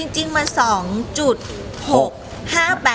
จริงมัน๒๖๕๘